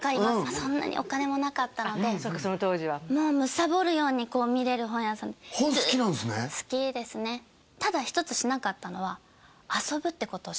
そんなにお金もなかったのでそっかその当時はもうむさぼるようにこう見れる本屋さんで本好きなんですね好きですねただ一つしなかったのはあららら？